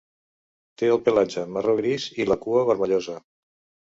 Té el pelatge marró gris i la cua vermellosa.